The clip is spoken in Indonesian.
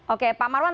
oke pak marwan